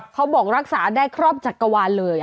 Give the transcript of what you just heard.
เขาบอกรักษาได้ครอบจักรวาลเลย